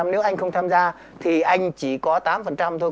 nếu anh không tham gia thì anh chỉ có tám thôi